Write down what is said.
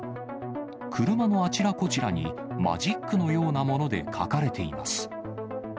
車のあちらこちらに、マジックのようなもので書かれています。